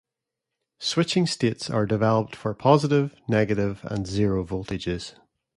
Switching states are developed for positive, negative and zero voltages.